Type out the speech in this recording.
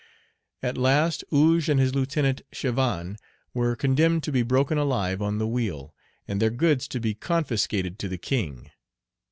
At last Ogé and his lieutenant, Chevanne, were condemned to be broken alive on the wheel, and their goods to be confiscated to the king.